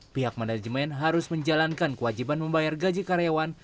pihak manajemen harus menjalankan kewajiban membayar gaji karyawan